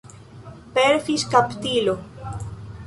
Per fiŝkaptilo.